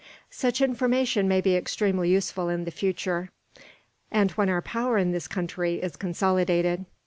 Such information may be extremely useful in the future, and when our power in this country is consolidated.